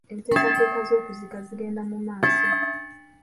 Enteekateeka z'okuziika zigenda mu maaso.